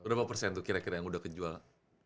berapa persen tuh kira kira yang udah kejual